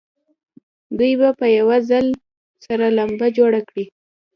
دوی به په یوه ځل سره لمبه جوړه کړي.